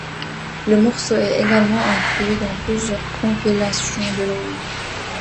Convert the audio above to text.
Le morceau est également inclus dans plusieurs compilations de Noël.